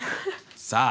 さあ